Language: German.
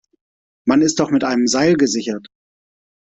Man ist doch mit einem Seil gesichert!